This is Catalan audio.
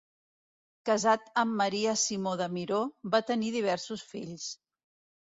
Casat amb Maria Simó de Miró, va tenir diversos fills.